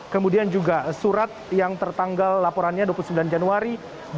kemudian juga surat yang tertanggal laporannya dua puluh sembilan januari